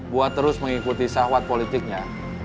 buat terus mengikuti sahwat politiknya